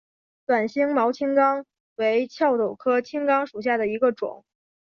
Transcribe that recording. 短星毛青冈为壳斗科青冈属下的一个种。